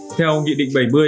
theo nghị định bảy mươi